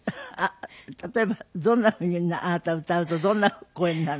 例えばどんなふうにあなた歌うとどんな声になるの？